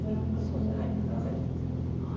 少し荒らされちゃいます。